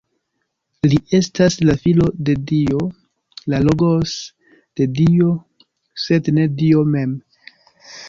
Li estas la Filo de Dio, la "Logos" de Dio, sed ne Dio mem.